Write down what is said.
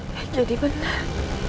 ya jadi bener